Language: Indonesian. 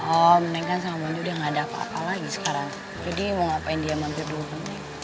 oh menengah sama udah nggak ada apa apa lagi sekarang jadi mau ngapain dia mampir dulu